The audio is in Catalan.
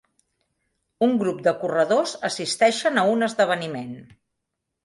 Un grup de corredors assisteixen a un esdeveniment.